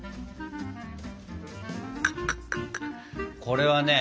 これはね